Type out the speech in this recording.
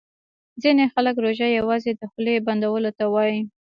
ځیني خلګ روژه یوازي د خولې بندولو ته وايي